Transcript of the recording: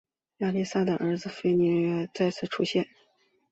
以利亚撒的儿子非尼哈在约书亚记中再次出现。